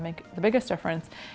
membuat perbedaan besar